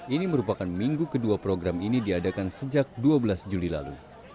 ini merupakan minggu kedua program ini diadakan sejak dua belas juli lalu